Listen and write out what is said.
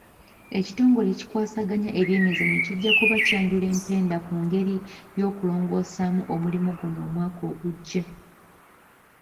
Ekitongole ekikwasaganya ebyemizannyo kijja kuba kyanjula empenda ku ngeri y'okulongosaamu omulimu guno omwaka ogujja.